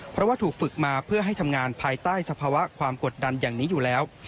เพราะว่าถูกฝึกมาเพื่อให้ทำงานภายใต้สภาวะความกดดันอย่างนี้อยู่แล้ว